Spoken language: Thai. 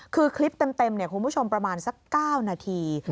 คือคลิปเต็มคุณผู้ชมประมาณสัก๙นาที